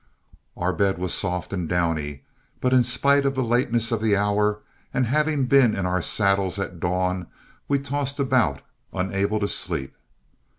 Our bed was soft and downy, but in spite of the lateness of the hour and having been in our saddles at dawn, we tossed about, unable to sleep.